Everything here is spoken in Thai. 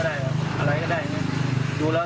เตรียมป้องกันแชมป์ที่ไทยรัฐไฟล์นี้โดยเฉพาะ